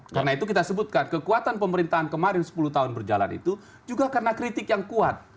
karena itu kita sebutkan kekuatan pemerintahan kemarin sepuluh tahun berjalan itu juga karena kritik yang kuat